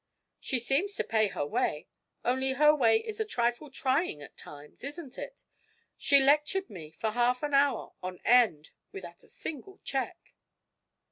'She seems to pay her way only her way is a trifle trying at times, isn't it? She lectured me for half an hour on end without a single check!'